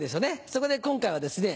そこで今回はですね